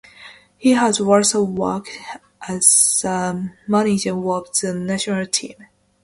He has also worked as the manager of the national team.